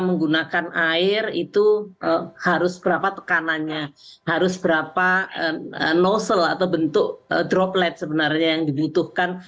menggunakan air itu harus berapa tekanannya harus berapa nosel atau bentuk droplet sebenarnya yang dibutuhkan